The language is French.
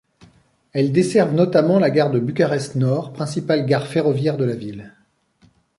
Elles desservent notamment la gare de Bucarest Nord, principale gare ferroviaire de la ville.